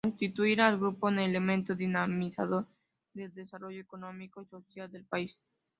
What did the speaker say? Constituir al Grupo en elemento dinamizador del desarrollo económico y social del país.